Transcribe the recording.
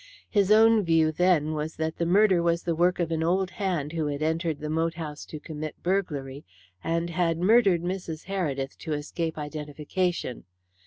His own view then was that the murder was the work of an old hand who had entered the moat house to commit burglary, and had murdered Mrs. Heredith to escape identification.